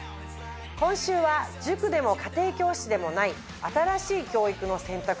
今週は塾でも家庭教師でもない新しい教育の選択肢